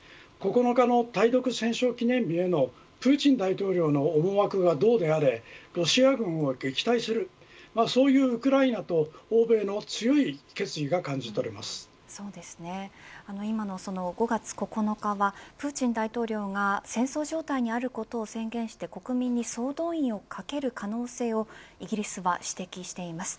９日の対独戦勝記念日へのプーチン大統領の思惑がどうであれロシア軍を撃退するそういうウクライナと欧米の今の５月９日はプーチン大統領が戦争状態にあることを宣言して国民に総動員をかける可能性をイギリスは指摘しています。